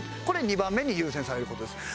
これ２番目に優先される事です。